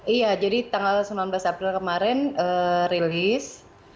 iya jadi tanggal sembilan belas april kemarin rilis